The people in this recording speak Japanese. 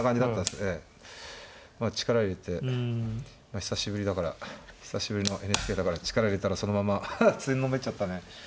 久しぶりだから久しぶりのＮＨＫだから力入れたらそのままつんのめっちゃったね。